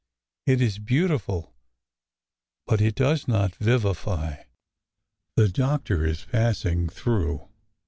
It is beautiful, but it does not vivify. The doctor is passing through.